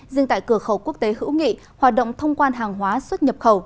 riêng tại cửa khẩu quốc tế hữu nghị hoạt động thông quan hàng hóa xuất nhập khẩu